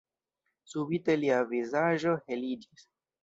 Subite lia vizaĝo heliĝis.